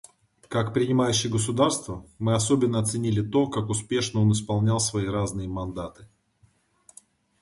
Как принимающее государство, мы особенно оценили то, как успешно он исполнял свои разные мандаты.